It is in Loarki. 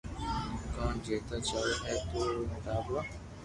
ڪو جيتا چاور ھي تو او ٽاٻرو